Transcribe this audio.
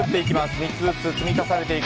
３つずつ積み重ねていく。